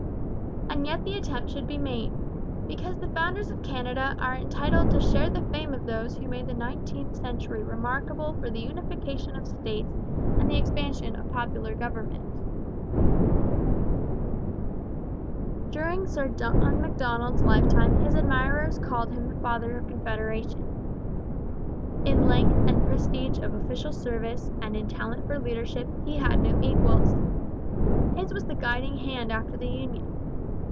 And yet the attempt should be made, because the founders of Canada are entitled to share the fame of those who made the nineteenth century remarkable for the unification of states and the expansion of popular government. During Sir John Macdonald's lifetime his admirers called him the Father of Confederation. In length and prestige of official service and in talent for leadership he had no equals. His was the guiding hand after the union.